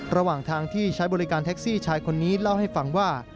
ระหว่างทางที่ใช้บริการแท็กซี่ชายคนนี้เล่าให้ฟังว่า